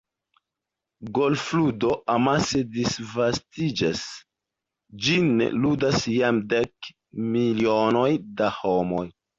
Golfludo amase disvastiĝas – ĝin ludas jam dek milionoj da homoj.